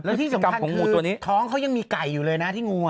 แล้วที่สำคัญคือท้องเขายังมีไก่อยู่เลยนะที่งูอ่ะ